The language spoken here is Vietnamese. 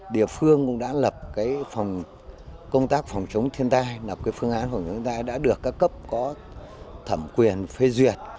địa phương cũng đã lập công tác phòng chống thiên tai lập phương án phòng chống thiên tai đã được các cấp có thẩm quyền phê duyệt